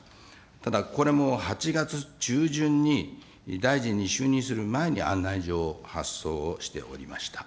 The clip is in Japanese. ただこれも８月中旬に、大臣に就任する前に案内状を発送をしておりました。